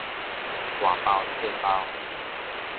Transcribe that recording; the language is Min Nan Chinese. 大包細包